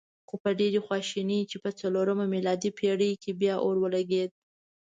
خو په ډېرې خواشینۍ چې په څلورمه میلادي پېړۍ کې بیا اور ولګېد.